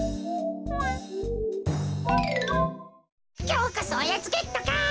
きょうこそおやつゲットか。